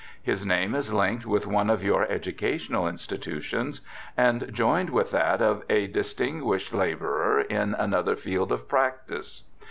His name is linked with one of your educational institutions, and joined with that of a distinguished labourer in another field of practice.